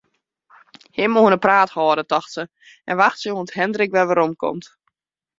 Him oan 'e praat hâlde, tocht se, en wachtsje oant Hindrik weromkomt.